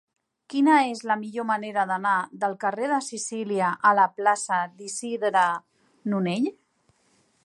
Quina és la millor manera d'anar del carrer de Sicília a la plaça d'Isidre Nonell?